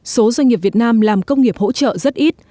số doanh nghiệp việt nam làm công nghiệp hỗ trợ rất ít